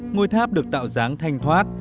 ngôi tháp được tạo dáng thanh thoát